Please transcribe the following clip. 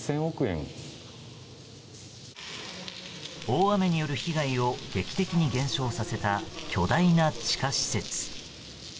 大雨による被害を劇的に減少させた巨大な地下施設。